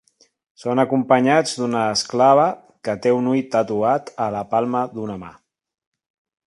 Són acompanyats d'una esclava que té un ull tatuat a la palma d'una mà.